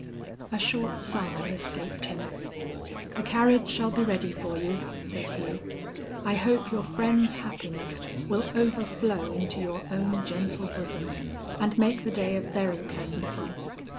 A short sigh escaped him. "The carriage shall be ready for you," said he. "I hope your friend's happiness will overflow into your own gentle bosom, and make the day a very pleasant one.